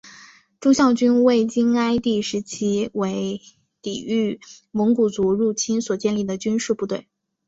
忠孝军为金哀宗时期为抵御蒙古族入侵所建立的军事部队。